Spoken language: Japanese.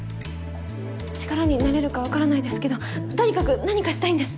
力になれるかわからないですけどとにかく何かしたいんです。